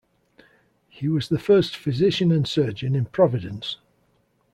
He was the first physician and surgeon in Providence.